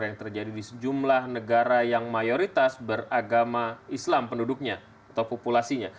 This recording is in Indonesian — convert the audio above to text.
yang terjadi di sejumlah negara yang mayoritas beragama islam penduduknya atau populasinya